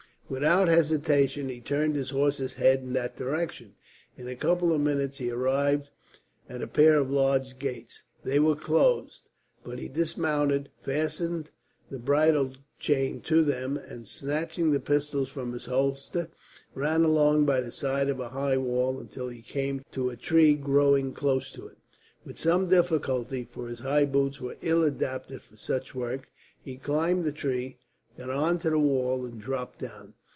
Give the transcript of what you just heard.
Without hesitation he turned his horse's head in that direction. In a couple of minutes he arrived at a pair of large gates. They were closed, but he dismounted, fastened the bridle chain to them and, snatching the pistols from his holsters, ran along by the side of a high wall, until he came to a tree growing close to it. With some difficulty, for his high boots were ill adapted to such work, he climbed the tree, got on to the wall, and dropped down.